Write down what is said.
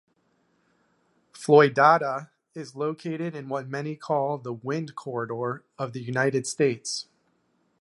Floydada is located in what many call the wind corridor of the United States.